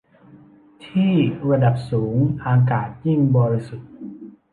ที่ ระดับสูงอากาศยิ่งบริสุทธิ์